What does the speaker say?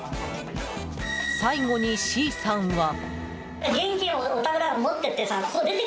最後にＣさんは。